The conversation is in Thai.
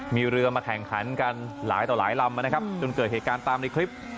มีเรือมาแข่งขันกันหลายต่อหลายลำนะครับจนเกิดเหตุการณ์ตามในคลิป